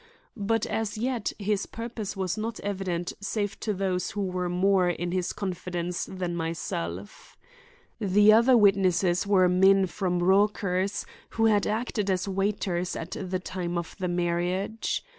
But as yet his purpose was not evident save to those who were more in his confidence than myself. The other witnesses were men from Rauchers, who had acted as waiters at the time of the marriage.